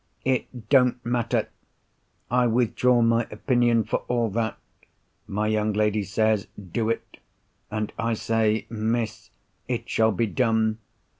"It don't matter; I withdraw my opinion, for all that. My young lady says, 'Do it.' And I say, 'Miss, it shall be done.